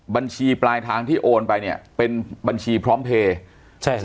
บัญชีปลายทางที่โอนไปเนี่ยเป็นบัญชีพร้อมเพลย์ใช่